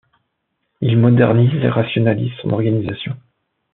Il modernise et rationalise son organisation.